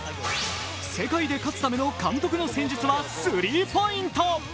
世界で勝つための監督の戦術はスリーポイント。